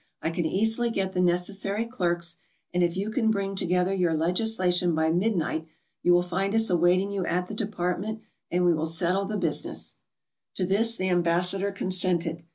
"I can easily get the necessary clerks, and if you can bring to gether your legation by midnight you will find us awaiting you at the department, and we will settle the business/' To this the ambassador consented.